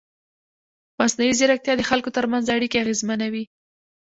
مصنوعي ځیرکتیا د خلکو ترمنځ اړیکې اغېزمنوي.